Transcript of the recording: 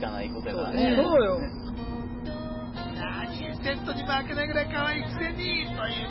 セットに負けないぐらい、かわいいくせに。